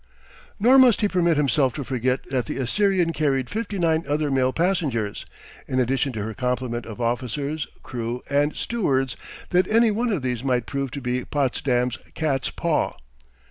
Nor must he permit himself to forget that the Assyrian carried fifty nine other male passengers, in addition to her complement of officers, crew, and stewards, that any one of these might prove to be Potsdam's cat's paw.